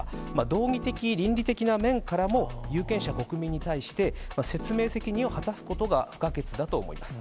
道義的、倫理的な面からも、有権者、国民に対して説明責任を果たすことが不可欠だと思います。